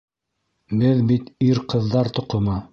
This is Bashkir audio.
Беҙ бит ир-ҡыҙҙар тоҡомо.